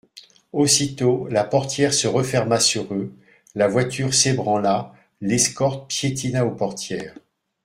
Aussitôt la portière se referma sur eux ; la voiture s'ébranla, l'escorte piétina aux portières.